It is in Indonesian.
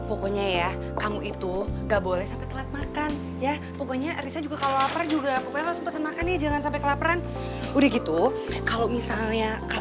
oke tolong kamu jaga rumah ya